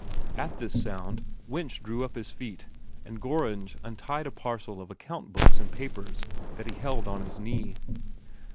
At this sound, Winch drew up his feet, and Gorringe untied a parcel of account books and papers that he held on his knee.